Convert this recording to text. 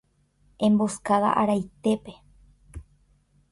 Emboscada araitépe.